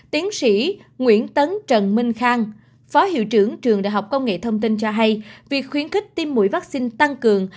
tiến sĩ nguyễn tấn trần minh khang phó hiệu trưởng trường đại học công nghệ thông tin cho hay việc khuyến khích tiêm mũi vaccine tăng cường